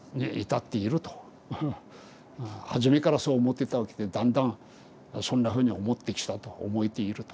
はじめからそう思ってたわけでだんだんそんなふうに思ってきたと思えていると。